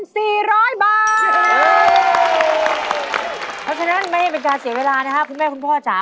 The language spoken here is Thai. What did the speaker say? เพราะฉะนั้นไม่ได้เป็นการเสียเวลานะครับคุณแม่คุณพ่อจ๋า